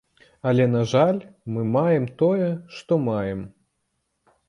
Але, на жаль, мы маем тое, што маем.